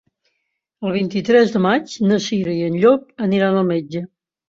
El vint-i-tres de maig na Cira i en Llop aniran al metge.